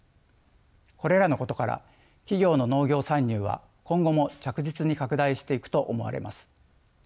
これらのことから企業の農業参入は今後も着実に拡大していくと思われます。